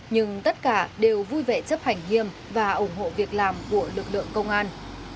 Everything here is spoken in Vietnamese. nhưng tất cả đều vui vẻ chấp hành hiêm và ủng hộ việc làm của lực lượng công an